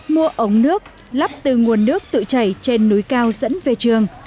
mua ống nước lắp từ nguồn nước tự chảy trên núi cao dẫn về trường